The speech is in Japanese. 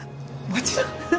もちろん！